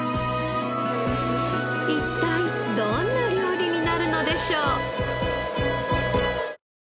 一体どんな料理になるのでしょう？